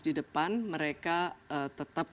di depan mereka tetap